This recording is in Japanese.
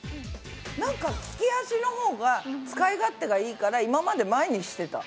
なんか利き足のほうが使い勝手がいいから今まで前にしてた。